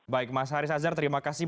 baik mas haris azhar terima kasih